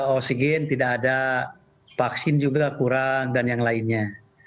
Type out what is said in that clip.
oksigen tidak ada vaksin juga kurang dan yang lainnya